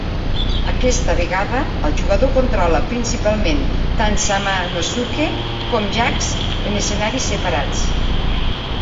Aquesta vegada, el jugador controla principalment tant Samanosuke com Jacques en escenaris separats.